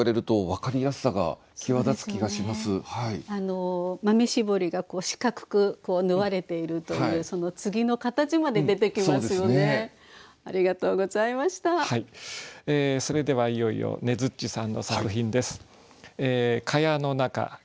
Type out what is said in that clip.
それではいよいよねづっちさんの作品です。